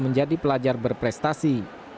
menjadi pelajar berprestasi